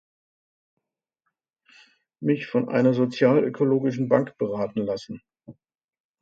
Mich von einer sozialökologischen Bank beraten lassen.